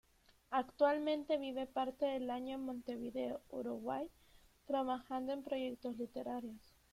Actualmente vive parte del año en Montevideo, Uruguay, trabajando en proyectos literarios.